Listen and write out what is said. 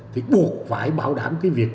thì buộc phải bảo đảm cái việc